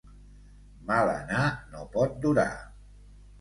Mal anar no pot durar.